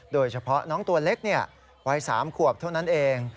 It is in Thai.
โดยเฉพาะน้องตัวเล็กวัย๓ขวบเท่านั้นเอง